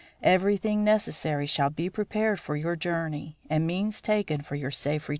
Everything necessary shall be prepared for your journey, and means taken for your safe return."